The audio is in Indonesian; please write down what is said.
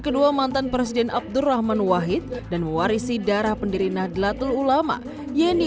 kedua mantan presiden abdurrahman wahid dan mewarisi darah pendiri nahdlatul ulama yeni